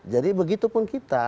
jadi begitu pun kita